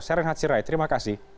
saya reinhardt sirai terima kasih